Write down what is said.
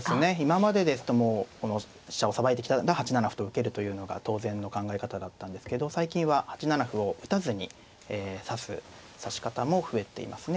今までですともうこの飛車をさばいてきたら８七歩と受けるというのが当然の考え方だったんですけど最近は８七歩を打たずに指す指し方も増えていますね。